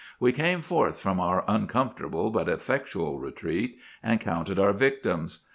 "We came forth from our uncomfortable but effectual retreat, and counted our victims.